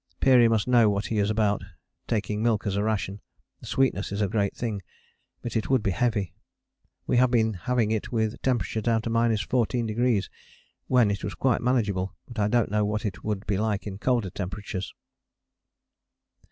Peary must know what he is about, taking milk as a ration: the sweetness is a great thing, but it would be heavy: we have been having it with temperature down to 14°, when it was quite manageable, but I don't know what it would be like in colder temperatures.